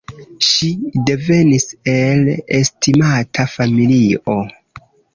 Ŝi devenis el estimata familio.